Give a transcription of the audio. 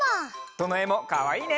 どのえもかわいいね。